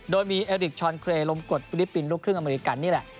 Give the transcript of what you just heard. โดยมีเอริกชอนเครลมกดฟิลิปปินส์ลูกครึ่งอเมริกันนี่แหละ